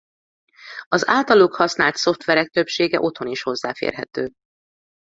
Az általuk használt szoftverek többsége otthon is hozzáférhető.